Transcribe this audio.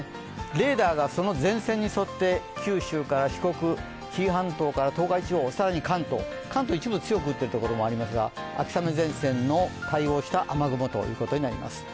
レーダーがその前線に沿って九州から四国、紀伊半島から東海地方、更に関東、関東は一部強く降っているところもありますが、秋雨前線に対応した雨雲となります。